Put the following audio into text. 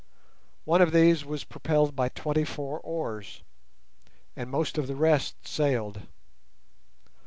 One of these was propelled by twenty four oars, and most of the rest sailed.